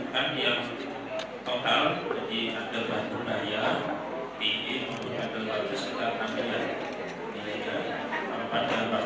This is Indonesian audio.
di antar bandung raya sekitar sembilan juta pada bandung sekitar tiga ratus tiga belas juta